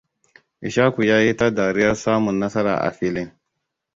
Ishaku ya yi ta dariyar samun nasara a filin.